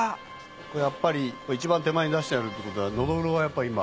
やっぱり一番手前に出してあるってことはのどぐろが今。